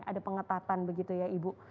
ada pengetatan begitu ya ibu